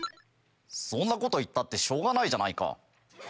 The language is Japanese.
そんなこと言ったってしょうがないじゃないか。